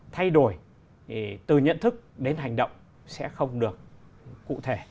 thay đổi từ nhận thức đến hành động sẽ không được cụ thể